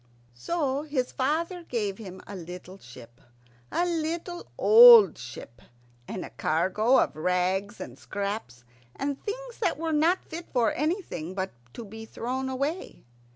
So his father gave him a little ship, a little old ship, and a cargo of rags and scraps and things that were not fit for anything but to be thrown away.